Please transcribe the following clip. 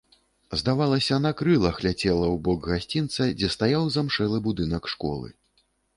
Здавалася, на крылах ляцела ў бок гасцінца, дзе стаяў замшэлы будынак школы.